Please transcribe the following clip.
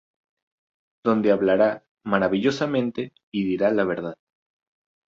Donde hablará "maravillosamente" y dirá la verdad.